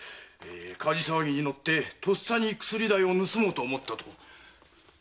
火事騒ぎに乗ってとっさに薬代を盗もうと思ったと。